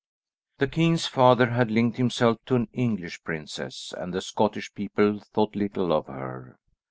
The king's father had linked himself to an English princess, and the Scottish people thought little of her.